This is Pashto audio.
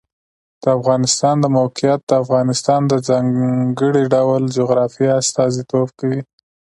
د افغانستان د موقعیت د افغانستان د ځانګړي ډول جغرافیه استازیتوب کوي.